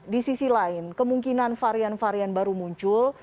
di sisi lain kemungkinan varian varian baru muncul